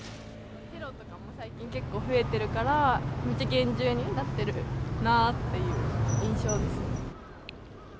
テロとかも最近結構増えているから、めっちゃ厳重になってるなっていう印象ですね。